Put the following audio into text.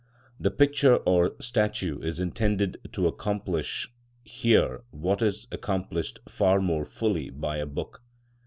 The picture or statue is intended to accomplish here what is accomplished far more fully by a book.